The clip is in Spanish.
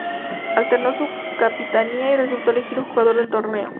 Alternó su capitanía y resultó elegido Jugador del torneo.